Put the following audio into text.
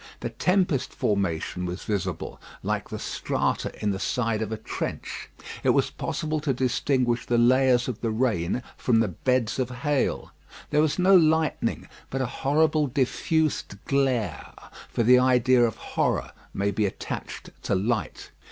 The tempest formation was visible, like the strata in the side of a trench. It was possible to distinguish the layers of the rain from the beds of hail. There was no lightning, but a horrible, diffused glare; for the idea of horror may be attached to light.